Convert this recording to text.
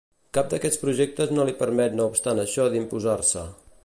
Cap d'aquests projectes no li permet no obstant això d'imposar-se.